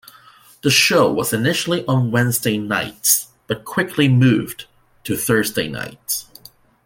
The show was initially on Wednesday nights but quickly moved to Thursday nights.